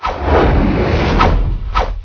siapa yang mem mcgregor